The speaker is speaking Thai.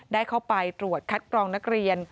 ได้เข้าไปตรวจคัดกรองนักเรียน